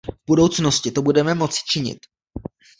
V budoucnosti to budeme moci činit.